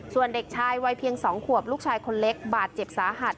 ส่วนเด็กชายวัยเพียง๒ขวบลูกชายคนเล็กบาดเจ็บสาหัส